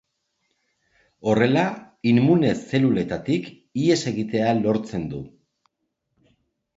Horrela immune-zeluletatik ihes egitea lortzen du.